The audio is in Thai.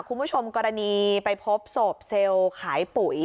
คุณผู้ชมกรณีไปพบศพเซลล์ขายปุ๋ย